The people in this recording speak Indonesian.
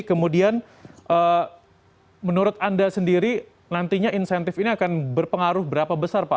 kemudian menurut anda sendiri nantinya insentif ini akan berpengaruh berapa besar pak